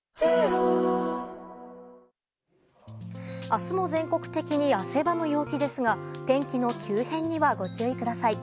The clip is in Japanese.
明日も全国的に汗ばむ陽気ですが天気の急変にはご注意ください。